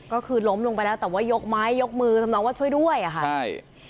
ก็คือล้มลงไปแล้วแต่ว่ายกไม้ยกมือทำนองว่าช่วยด้วยอ่ะค่ะใช่